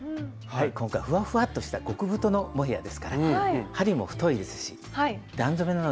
今回ふわふわとした極太のモヘアですから針も太いですし段染めなので次はどんな色が出てくるかな